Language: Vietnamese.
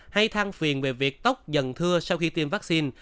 hay thang phiền về việc tóc dần thưa sau khi tiêm vaccine